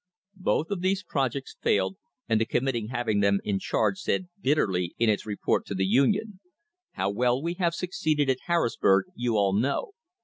Both of these projects failed, and the committee having them in charge said bitterly in its report to the Union: "How well we have succeeded at Harrisburg you all know.